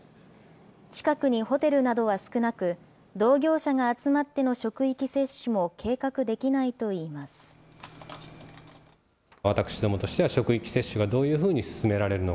近くにホテルなどは少なく、同業者が集まっての職域接種も計画できないといいます。